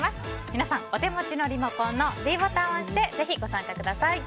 皆さん、お手持ちのリモコンのｄボタンを押してぜひご参加ください。